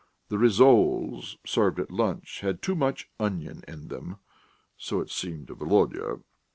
The rissoles served at lunch had too much onion in them so it seemed to Volodya.